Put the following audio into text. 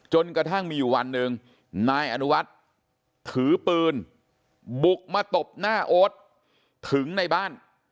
จนกระทั่งมีอยู่วันหนึ่งนายอนุวัฒน์ถือปืนบุกมาตบหน้าโอ๊ตถึงในบ้าน